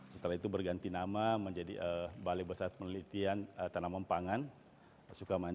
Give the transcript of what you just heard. setelah itu berganti nama menjadi balai besar penelitian tanaman pangan